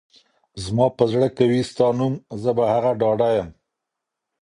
زما په زړه کي وي ستا نوم ، زه په هغه ډاډه يم